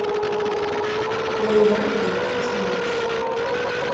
Layla iban kan temmut.